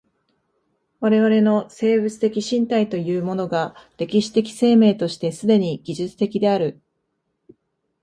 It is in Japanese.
我々の生物的身体というものが歴史的生命として既に技術的である。